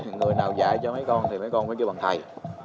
người nào dạy cho mấy con thì mấy con mới kêu bằng thầy